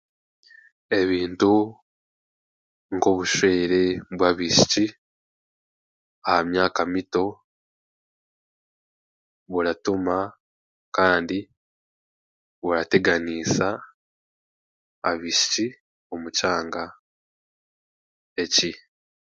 Ebintu nk'obushwere bw'abaishiki aha mywaka mito, buratuma kandi burateganisa abaishiki omu kyanga eki